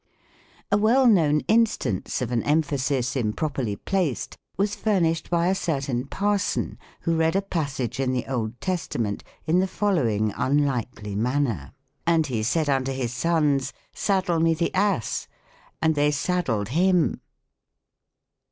A well known instance of an emphasis improperly placed was furnished by a certain Parson, who read a passage in the Old Testament in the following unlucky manner :" And he said unto his sons, Saddle me the ass ; and they saddled him."